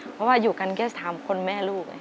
เพราะว่าอยู่กันแค่๓คนแม่ลูก